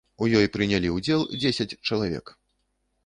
У ёй прынялі ўдзел дзесяць чалавек.